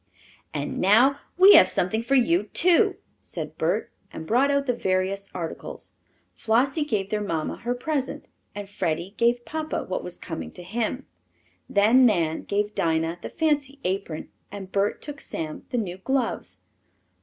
"And now we have something for you, too," said Bert, and brought out the various articles. Flossie gave their mamma her present, and Freddie gave papa what was coming to him. Then Nan gave Dinah the fancy apron and Bert took Sam the new gloves.